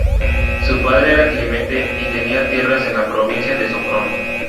Su padre era Clemente, y tenía tierras en la provincia de Sopron.